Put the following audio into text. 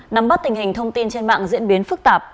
nắm bắt tình hình thông tin trên mạng diễn biến phức tạp